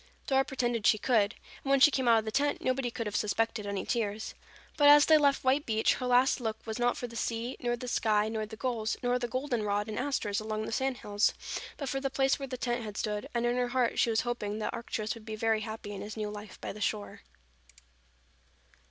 Dora pretended she could, and when she came out of the tent, nobody could have suspected any tears. But as they left White Beach, her last look was not for the sea nor the sky nor the gulls, nor the goldenrod and asters along the sandhills, but for the place where the tent had stood, and in her heart she was hoping that Arcturus would be very happy in his new life by the shore.